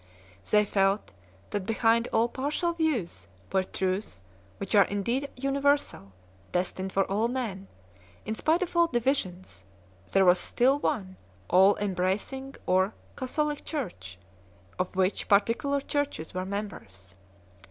They felt that behind all partial views were truths which are indeed universal, destined for all men ; in spite of all divisions, there was still one all embracing or "Catholic" Church 2 , of which particular Churches were members.